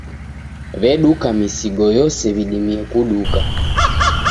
W'eduka misigo yose w'idimie kuduka.